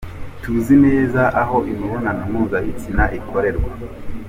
Tuzi neza aho imibonano mpuzabitsina ikorerwa.